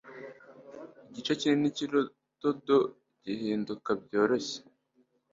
Igice kinini cyurudodo gihinduka byoroshye.